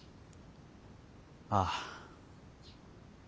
ああ。